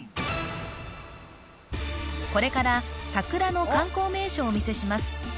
これから桜の観光名所をお見せします